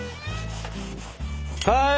はい！